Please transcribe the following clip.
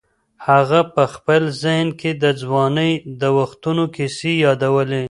هغه په خپل ذهن کې د ځوانۍ د وختونو کیسې یادولې.